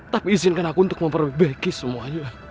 tapi izinkan aku untuk memperbaiki semuanya